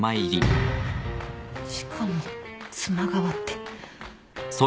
しかも妻側って。